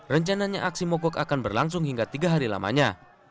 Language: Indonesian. rencananya aksi mogok akan berlangsung hingga tiga hari lamanya